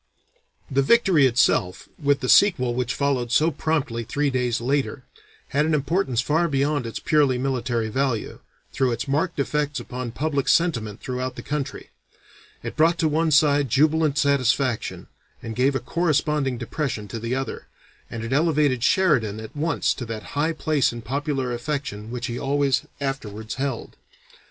The victory itself, with the sequel which followed so promptly three days later, had an importance far beyond its purely military value, through its marked effects upon public sentiment throughout the country; it brought to one side jubilant satisfaction, and gave a corresponding depression to the other, and it elevated Sheridan at once to that high place in popular affection which he always afterwards held.